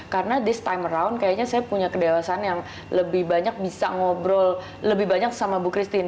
karena this time around kayaknya saya punya kedewasaan yang lebih banyak bisa ngobrol lebih banyak sama ibu christine